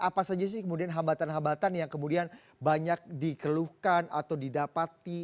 apa saja sih kemudian hambatan hambatan yang kemudian banyak dikeluhkan atau didapati